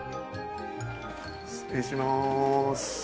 失礼します。